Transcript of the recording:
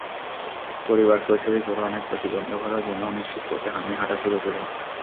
পরিবারকে অসুখী করে, অনেক প্রতিবন্ধকতা জেনেও অনিশ্চিত পথে আমি হাঁটা শুরু করি।